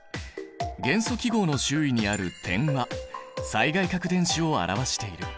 元素記号の周囲にある点は最外殻電子を表している。